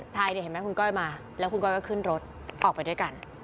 ใช่เห็นไหมคุณก้อยมาแล้วคุณก้อยก็ขึ้นรถออกไปด้วยกัน